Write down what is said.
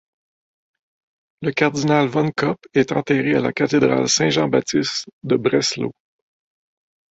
Le cardinal von Kopp est enterré à la cathédrale Saint-Jean-Baptiste de Breslau.